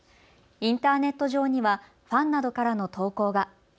インターネット上にはファンなどからの投稿が。